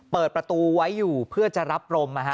เปิดประตูไว้อยู่เพื่อจะรับรม